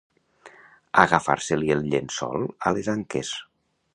Agafar-se-li el llençol a les anques.